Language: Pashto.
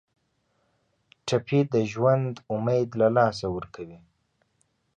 ټپي د ژوند امید له لاسه ورکوي.